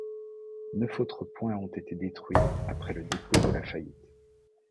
Neuf autres points ont été déduits après le dépôt de la faillite.